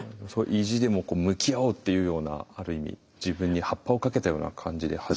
そう意地でも向き合おうっていうようなある意味自分にハッパをかけたような感じで。